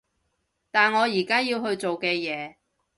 但我而家要去做嘅嘢